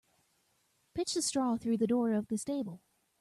Pitch the straw through the door of the stable.